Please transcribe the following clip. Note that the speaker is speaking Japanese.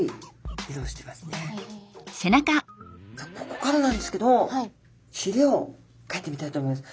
ここからなんですけどひれをかいてみたいと思います。